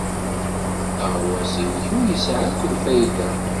Aɣawas-nnek ur yesɛi akk lfayda.